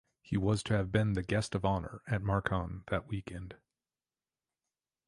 He was to have been the Guest of Honor at Marcon that weekend.